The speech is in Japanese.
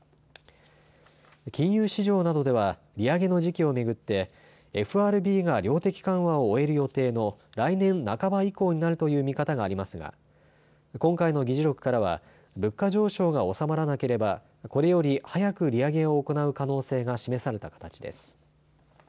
金融市場などでは利上げの時期を巡ってＦＲＢが量的緩和を終える予定の来年半ば以降になるという見方がありますが今回の議事録からは物価上昇が収まらなければこれより早く利上げを行う可能性が示された形です。